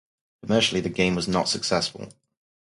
Commercially, the game was not successful.